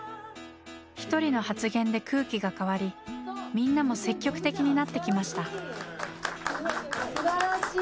一人の発言で空気が変わりみんなも積極的になってきました。